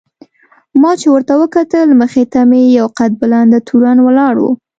ما چې ورته وکتل مخې ته مې یو قد بلنده تورن ولاړ و.